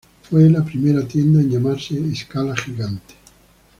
Fue la primera tienda en llamarse "Scala Gigante".